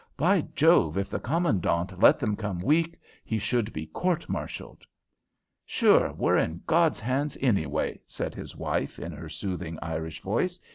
"Be Jove, if the Commandant let them come weak, he should be court martialled." "Sure, we're in God's hands, anyway," said his wife, in her soothing, Irish voice.